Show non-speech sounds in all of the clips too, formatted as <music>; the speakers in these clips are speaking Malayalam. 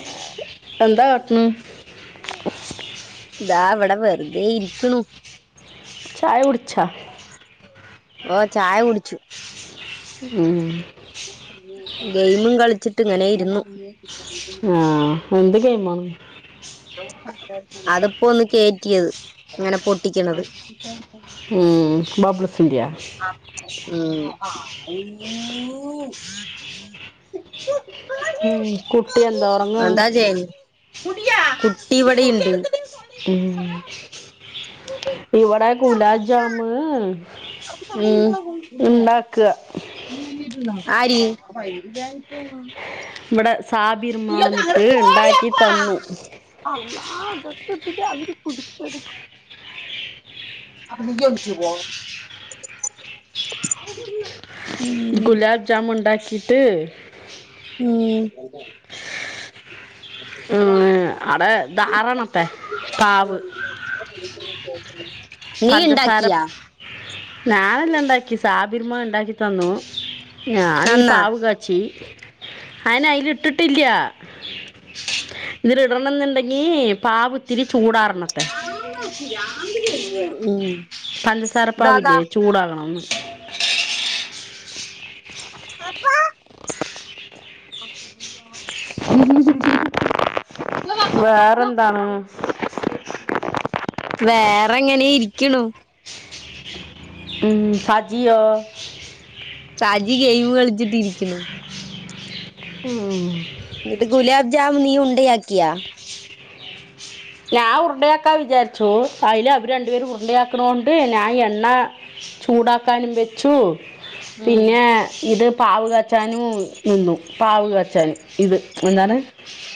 ഓഹ് എന്താ കാട്ടണ് താ ഇവിടെ വെറുതെ ഇരിക്കുണു ചായ കുടിച്ചാ ഓഹ് ചായ കുടിച്ചു ഉം ഗെയിമും കളിച്ചിട്ട് ഇങ്ങനെ ഇരുന്നു ആഹ് എന്ത് ഗെയിമാണ് അതിപ്പോ ഒന്ന് കേറ്റിയത് ഇങ്ങനെ പൊട്ടിക്കണത് ഉം, ബബ്ൾ സിന്റയാ.. ഉം ഉം കുട്ടി എന്താ ഉറങ്ങണോ? എന്താ ചെയ്യ കുട്ടി ഇവിടെുണ്ട് ഉം ഇവിടെ കുലാം ജാമ് ഉണ്ടാക്കുക ഉം ആര്? ഇവിടെ സാബിർമ്മ വന്നിട്ട് ഉണ്ടാക്കി തന്നു അള്ളാ <unintelligible> അവര് കുടിച്ചെടു വണ്ടി ഓടിച്ചു പോ ഗുലാബ് ജാമുണ്ടാക്കിട്ട് ഉം ഉം അവിടെ ഇത് ആറാമത്തെ പാവ് നീ പഞ്ചസാര ഇണ്ടാക്കിയാ ഞാനെല്ല ഇണ്ടാക്കി സാബിരിമ്മ ഉണ്ടാക്കി തന്നു ഞാനീ നന്നാ പാവ് കാച്ചി അയിന് അയ്ൽ ഇട്ടിട്ടില്ല ഇതിൽ ഇടണം എന്നുണ്ടെങ്കി പാവുത്തിരി ചൂടാറണത്രെ പിരാന്ത് വരുന്നു ഉം ഇതാതാ പഞ്ചസാരപ്പാവില്ലേ ചൂടാകണന്ന് പപ്പാ <unintelligible> വേറെന്താണ് <unintelligible> വേറെങ്ങനെ ഇരിക്ക്‌ണു ഉം സജിയോ ഷാജി ഗെയിം കളിച്ചിട്ടിരിക്കുന്നു ഉം എന്നിട്ട് ഗുലാബ് ജാമ് നീ ഉണ്ടയാക്കിയാ ഞാൻ ഉരുണ്ടയാക്കാ വിചാരിച്ചു അതില് അവര് രണ്ടു പേര് ഉരുണ്ടയാക്കണോണ്ട് ഞാൻ എണ്ണ- ചൂടാക്കാനും വെച്ചു ഉം പിന്നെ ഇത് പാവ കാച്ഛ് - വച്ചാനും നിന്നു പാവ് കാച്ചാനും ഇത് എന്താണ്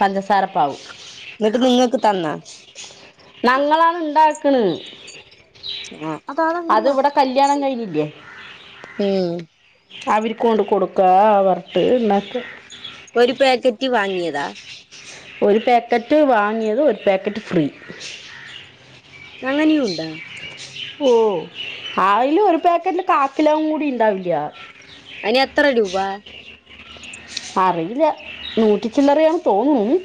പഞ്ചസാര പാവ് എന്നിട്ട് നിങ്ങക്ക് തന്ന നങ്ങളാണ് ഉണ്ടാക്ക്‌ണ് ആ അത് ഇവിടെ കല്യാണം കഴിഞ്ഞില്ലേ ഉം അവര് കൊണ്ട് കൊടുക്കാ വര്ത്തു ണ്ടാക്കാ ഒരു പാക്കറ്റ് വാങ്ങിയതാ ഒരു പാക്കറ്റ് വാങ്ങിയത് ഒരു പാക്കറ്റ് ഫ്രീ അങ്ങനെയുണ്ടാ ഓഹ് അയില് ഒരു പാക്കറ്റില് കാക്കിലോം കൂടി ഇണ്ടാവില്ല അയിന് എത്ര രൂപ അറിയില്ല നൂറ്റിച്ചില്ലറയാന്ന് തോന്നുന്നു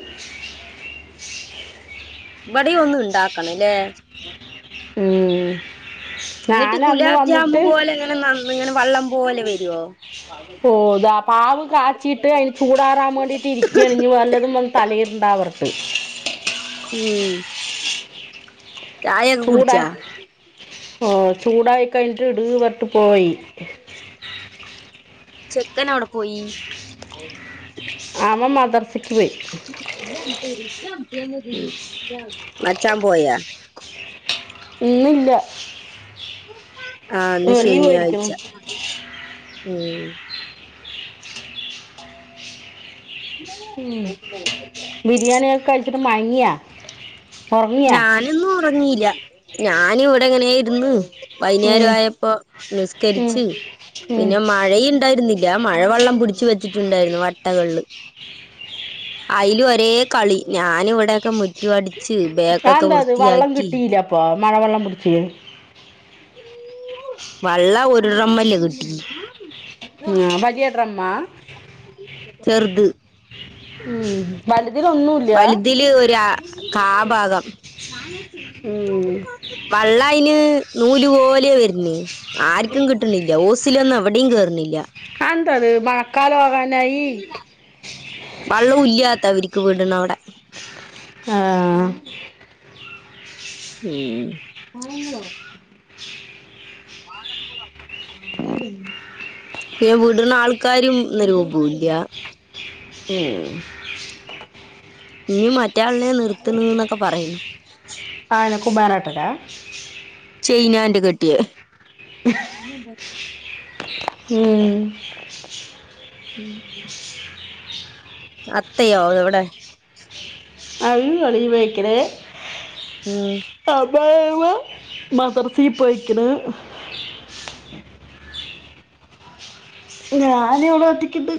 ബടിം ഒന്ന് ഇണ്ടാക്കണലേ ഉം ഞാനന്ന് വന്നിട്ട് അന്ന് ഇങ്ങനെ വള്ളം പോലെ വരുവോ ഓഹ് താ പാവ് കാച്ചിട്ട് അയിന് ചൂടാറാൻ വേണ്ടിട്ട് ഇരിക്കയാണ് ഇഞ്ഞ് വല്ലതും വന്ന് തടയണ്ടാ ഓർത്ത് ഉം ചായ ചൂടാ ഓഹ് ചൂടായി കഴിഞ്ഞിട്ട് ഇട് പറഞ്ഞിട്ട് പോയി ചെക്കൻ എവിടെ പോയി അവൻ മദ്രസ്സ്ക് പോയി <unintelligible> കൾച്ചാൻ പോയാ ഇന്ന് ഇല്ല ആഹ് ഇന്ന് ശനിയാഴ്ച പോയിരിക്കണം ഉം ഉം ബിരിയാണി ഒക്കെ കഴിച്ചിട്ട് മയങ്ങിയ ഞാനൊന്നും ഒറങ്ങില്ല ഞാന് ഇവിടെ ഇങ്ങനെ ഇര്ന്ന് ഉം, വൈന്നേരം ആയപ്പോ ഉം. നിസ്കരിച്ച് ഉം പിന്നെ മഴ ഇണ്ടായിരുന്നി ല്ലാ മഴവെള്ളം പിടിച്ച് വെച്ചിട്ടുണ്ടായിരുന്നു വട്ടകൾല് അയിലു ഒരേ കളി ഞാനിവിടൊക്കെ മുറ്റം അടിച്ച് അ ബേക്കൊക്കെ എന്താത് വെള്ളം വൃത്തിയാക്കി കിട്ടില്ലേ അപ്പൊ മഴ വെള്ളം പുട്ച്ച് വള്ള ഉര്ളമ്മല് ടീ ആഹ് വലിയ ഡ്രമ്മാ ചെർത് ഉം വലുതിൽ ഒന്നുല്ല തില് ഒരാ കാ ഭാഗം ഉം വള്ള അയ്ല് നൂലുപോലെ വര്നെ ആർക്കും കിട്ട്ണില്ല ഓസിലൊന്നും എവിടിം കേറ്ണില്ല അത് എന്താത് മഴക്കാലാവാനായി വള്ളു ഇല്ലാത്തവര്ക്ക് വിട്ണ അവുടെ ആഹ് അങ്ങനെ ഉം വിട്ണ ആൾക്കരും ഗ്രൂപ്പുല്ല ഉം ഇഞ്ഞ് മറ്റേ ആളിനെ നിർത്ത്ണ്ന്നൊക്കെ പറയുന്നു ആഹ് അനക്കും പെറാട്ടരാ ചെയ്നാണ്ട് കെട്ട്യേ <unintelligible> ഇഞ്ഞ് എന്താട്ട് ഉം ഉം സത്തയോ അത്വ്ടെ <unintelligible> പോയിക്കരേ ഉം സമയാവുമ്പം മദ്രസീ പോയിക്ക്ണ് <inaudible> ഞാന് ഇവിടെ ഒറ്റക്കിട്ട്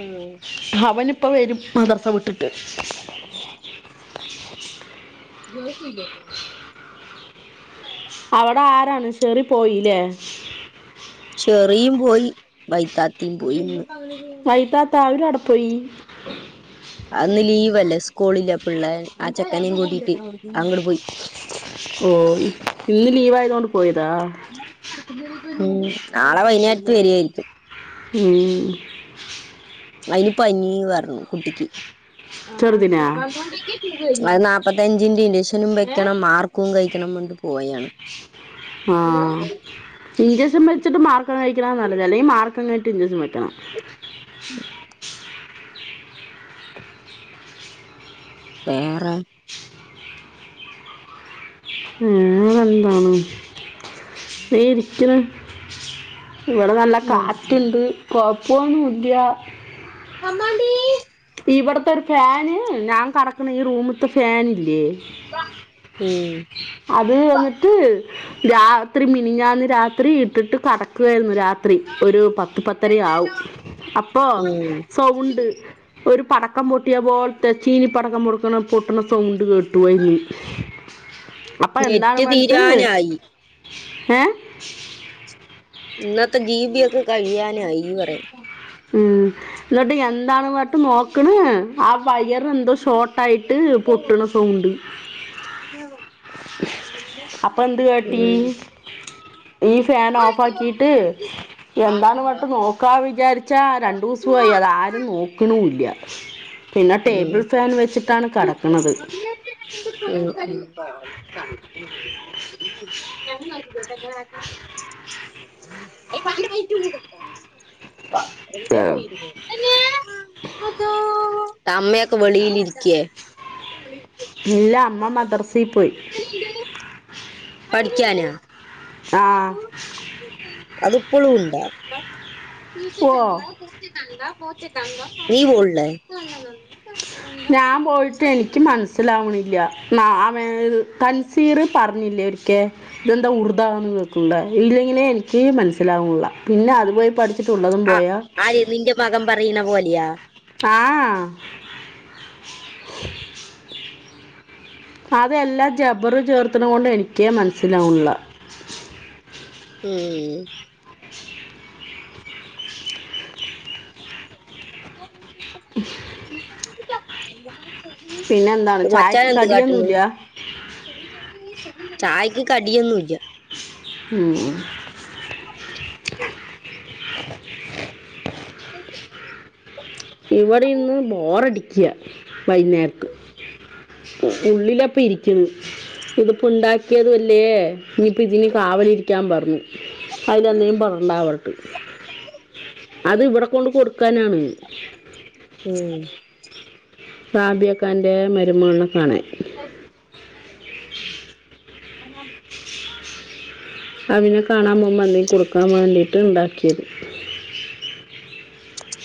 ആഹ് അവനിപ്പ വരും മദ്രസ വിട്ടിട്ട് <unintelligible> <inaudible> ജോശേ യ്യ് ണ്ടോ അവിടെ ആരാണ് ഷെറിൻ പോയില്ലേ ചെറിയും പോയി വൈത്താത്തിം പോയിന്ന് വൈത്താത്ത അവര് എവിടെ പോയി അന്ന് ലീവ് അല്ലേ സ്കൂളില്ല പിള്ളേ ആ ചെക്കനേയും കൂട്ടീട്ട് അങ്ങട്ട് പോയി ഓഹ് ഇ ഇന്ന് ലീവായതൊണ്ട് പോയതാ ഉം നാളെ വൈന്നേരത്ത് വരുആയാരിക്കും ഉം അയിന് പനി പറണു കുട്ടിക്ക് ചെറുതിനാ അത് നാല്പ്പത്തഞ്ചിന്റെ ഇൻചക്ഷനും വെക്കണം മാർക്കും കഴിക്കണം പറഞ്ഞുട്ട് പോയാണ് ആഹ് ഇൻജക്ഷൻ വെച്ചിട്ട് മാർക്ക കഴിക്കണം നല്ലത് അല്ലെങ്കിൽ മാർക്കം കഴിട്ട് ഇഞ്ചഷൻ വെക്കണം വേറെ ഉം ന്നെ എന്താണ് ഈ ഇരിക്കണ് ഇവിടെ നല്ല കാറ്റുണ്ട് കൊഴപ്പൊന്നും ഇല്ല്യ അമ്മാണ്ടി ഇവിടത്തെ ഒരു ഫാന് ഞാൻ കടക്കണ ഈ റൂമ്ത്തെ ഫാനില്ലേ ഉം അത് വന്നിട്ട് രാത്രി മിനിഞ്ഞാന്ന് രാത്രി ഇട്ടിട്ട് കടക്കുവായിരുന്നു രാത്രി ഒരു പത്ത് പത്ത് പത്തര ആവും അപ്പൊ ഉം സൗണ്ട് ഒരു പടക്കം പൊട്ടിയ പോലത്തെ ചീനി പടക്കം പൊട്ട പൊട്ടണ സൗണ്ട് കേട്ടു <unintelligible> പോയി അപ്പൊ എന്താണ് നെറ്റ് വേണ്ടട്ട് തീരാനായി ഏഹ് ഇന്നത്തെ ജീബിയൊക്കെ കഴിയാനായീ പറയ ഉം എന്നിട്ട് എന്താണ് വ ട്ട് നോക്കണ് ആ വയർ എന്തോ ഷോർട്ട് ആയിട്ട് പൊട്ടണ സൗണ്ട് അപ്പോ എന്ത് കാട്ടി ഉം ഈ ഫാൻ ഓഫ് ആക്കിട്ട് എന്താണ് വട്ട് നോക്കാ വിചാരി ച്ചാ രണ്ടുസായി അത് ആരും നോകുണുല്ല പിന്നെ ടേബിൾ ഉം ഫാൻ വെച്ചിട്ടാണ് കടക്കുണത് <unintelligible> <unintelligible> <unintelligible> <unintelligible> അമ്മയൊക്കെ വെളിയിൽ ഇരിക്കേ ഇല്ല അമ്മ മദർസി പോയി എന്ത് പഠിക്കാനൊ ആഹ് അത് ഇപ്പളും ഉണ്ടാ ഓ നീ പോളില്ലേ ഞാൻ പോയിട്ട് എനിക്ക് മനസ്സ നസ്സിലാവണില്ല മ മേ തൻസീറ് പറഞ്ഞില്ലേ ഒരിക്കേ ഇതെന്താ ഉറുത വക്കുല്ലേ ഇല്ലെങ്ങനെ എനിക്ക് മനസ്സിലാവുള്ള പിന്നെ അതുപോയി പഠി ആഹ് ആര് നിന്റെ മകൻ പറയുന്ന പോലെയാ ആഹ് അതെല്ലാം ജബർ ചേർത്തണ കൊണ്ട് എനിക്കേ മനസ്സിലാവ്ള്ള ഉം <inaudible> പിന്നെ എന്താണ് മച്ചാൻ ചായക്ക് എന്ത് കാട്ടുണ് കടിയൊന്നുമില്ല ചായക്ക് കടിയൊന്നുംല്ല ഉം <inaudible> <inaudible> ഇവിടെ ഇന്ന് ബോറടിക്കുക വൈുന്നേരത്ത് ഉള്ളിലെ ഇപ്പ ഇരിക്കുന്നു ഇതിപ്പോം ഉണ്ടാക്കിയതുമല്ലേ ഇനിയിപ്പോ ഇതിന് കാവലിരിക്കാൻ പറഞ്ഞു അതിലന്തേും പറണ്ടാവരട്ട് അത് ഇവിടെ കൊണ്ട് കൊടുക്കാനാണ് ഉം സബ്യാക്കാൻ്റെ മരുമോളുനെ കാണാൻ <inaudible> അവനെ കാണാൻ പോകുമ്പോ അന്തേും കൊടുക്കാൻ വേണ്ടിയിട്ട് ഉണ്ടാക്കിയത്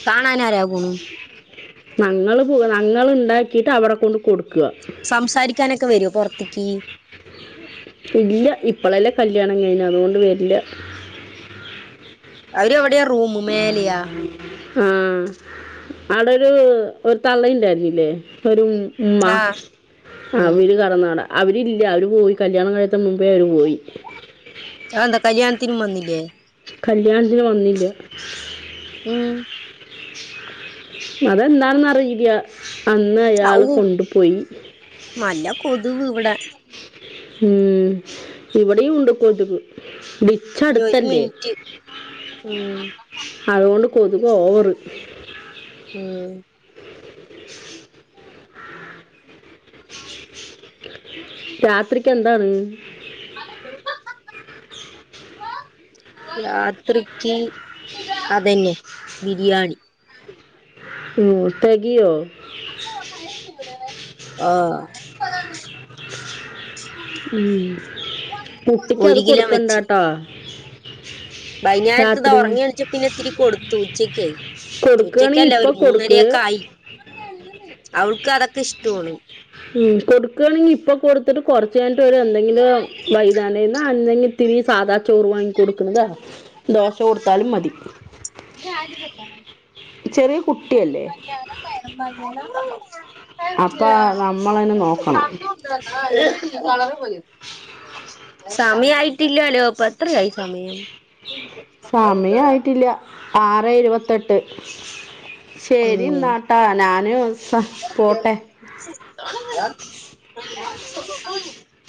കാണാനരാകണ ങ്ങൾ ഞങ്ങൾ ഉണ്ടാക്കിയിട്ട് അവിടെ കൊണ്ട് കൊടുക്കുക സംസാരിക്കാനൊക്കെ വരുവോ പുറത്തേക്ക് ഇല്ല ഇപ്പളെല്ലാം കല്യാണം കഴിഞ്ഞ അതുകൊണ്ട് വെരില അവര് എവിടെയാ റൂമ മേലയാ ആഹ അവിടെ ഒരു ഒരു തള്ളയണ്ടായിരുന്നില്ലേ ഒരു ഉ്മ്മ ആഹ് ആ ഉം വര് കടന്നാടാ അവരില്ല അവര് പോയി കല്യാണം കഴിത്തന് മുമ്പേ അവര് പോയി അന്ത കല്യാണതിന് മന്നിലേ കല്യാണത്തിന് വന്നില്ല ഉം അതെന്താണെന്നറിയതി അന്ന് അയാള് കൊണ്ടു പോയി മല്ല കൊതുവ് ഇവിടെ ഉം ഇവിടെയും ഉണ്ട് കൊതു ഇനി ഒരു വിളിച്ചടുത്തല്ലേ മിനിറ്റ് ഉം അതുകൊണ്ട് കൊതുക് ഓവറ് ഉം <inaudible> രാത്രിക്ക് എന്താണ് <inaudible> രാത്രിക്ക് അതന്നെ ബിരിയാണി തഗയോ ഓ ഉം. ഒരു കിലോ വെച്ചു ആ വൈകേരത്ത ഇത് ഉറങ്ങിയ എണിച്ച പിന്നെ ഇിരി കൊടുത്തു ഉച്ചക്കായി കൊടുക്കുകയാണെങ്കിൽ ഉച്ചക്കല്ല ഇപ്പൊ ഒരു കൊടുക്ക് മൂന്നരൊക്കെ ആയി അവൾക്ക് അതൊക്കെ ഇഷ്ടമാണ് ഉ കൊടുക്കുയാണെങ്കിൽ ഇപ്പൊ കൊടുത്തിട്ട് കുറച്ചായിട്ട് ഒരു എന്തെങ്കിലും വൈതാനുന്ന അന്തെങ്കിൽ ത്തിരി സാധാ ചോറ് വാങ്ങി കൊടുക്കണതാ ദോശ കൊടുത്താലും മതി ഞ അത് സക്ക ചെറിയ കുട്ടിയല്ലേ <inaudible> അപ്പ നമ്മളെ നോക്കണം കളർ പോയി സമയയിട്ടില്ലല്ലോപ്പ അത്രയായി സമയം സമയയിട്ടില്ല ആറ് ഇരുപത്തെട്ട് ശരി ഉം എന്നാട്ടാ ഞാനും പോട്ടെ <inaudible>